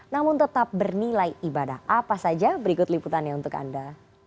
namun tetap bernilai ibadah apa saja berikut liputannya untuk anda